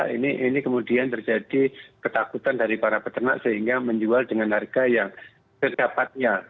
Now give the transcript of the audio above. ini kemudian terjadi ketakutan dari para peternak sehingga menjual dengan harga yang sedapatnya